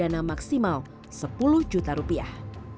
atau denda pidana maksimal sepuluh juta rupiah